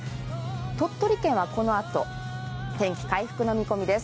鳥取県はこのあと、天気回復の見込みです。